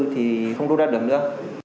thì không rút đắt đầm nữa